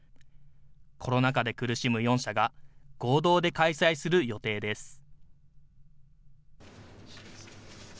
コロナ禍で苦しむ４社が、合同で開催する予定です。